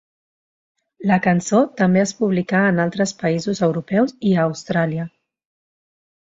La cançó també es publicà en altres països europeus i a Austràlia.